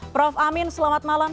prof amin selamat malam